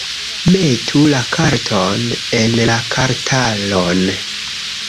Metu la karton en la kartaron